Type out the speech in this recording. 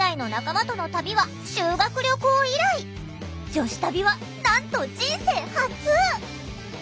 女子旅はなんと人生初！